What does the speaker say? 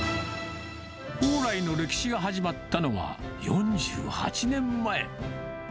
宝来の歴史が始まったのは４８年前。